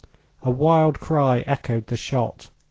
A wild cry echoed the shot.